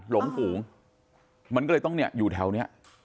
หลงกูมันก็เลยต้องอยู่แถวเนี่ย